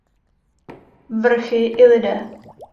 Vrchy i lidé.